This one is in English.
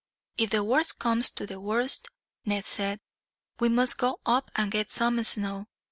"If the worst comes to the worst," Ned said, "we must go up and get some snow.